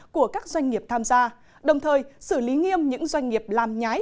của các doanh nghiệp tham gia đồng thời xử lý nghiêm những doanh nghiệp làm nhái